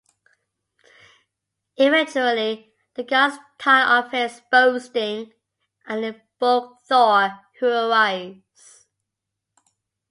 Eventually, the gods tire of his boasting and invoke Thor, who arrives.